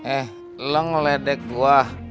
eh lu ngeledek gua